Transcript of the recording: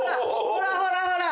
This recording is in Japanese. ほらほらほら。